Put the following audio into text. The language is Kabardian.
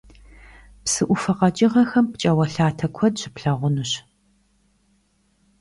Псы Ӏуфэ къэкӀыгъэхэм пкӀауэлъатэ куэд щыплъагъунущ.